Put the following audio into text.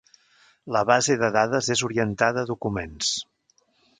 La base de dades és orientada a documents.